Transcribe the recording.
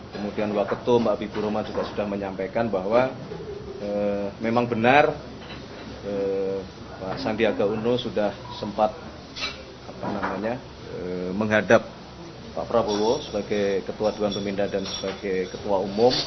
kemudian wak ketul mbak bibi roman juga sudah menyampaikan bahwa memang benar pak sandiaga uno sudah sempat menghadap pak prabowo sebagai ketua duan pemindah dan sebagai ketua umum